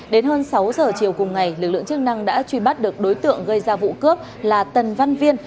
đến hơn sáu giờ chiều cùng ngày lực lượng chức năng đã truy bắt được đối tượng gây ra vụ cướp là tần văn viên